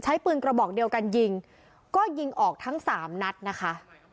ใช้ปืนกระบอกเดียวกันยิงก็ยิงออกทั้งสามนัดนะคะ